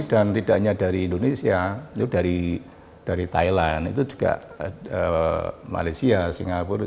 dan tidak hanya dari indonesia itu dari thailand itu juga malaysia singapura